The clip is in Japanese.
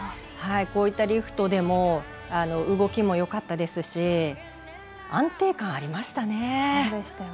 リフトでも動きもよかったですし安定感ありましたね。